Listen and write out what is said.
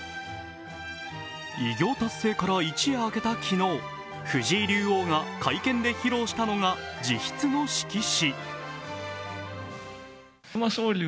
偉業達成から一夜明けた昨日藤井竜王が会見で披露したのが自筆の色紙。